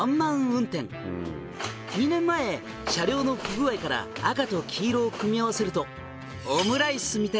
「２年前車両の不具合から赤と黄色を組み合わせると」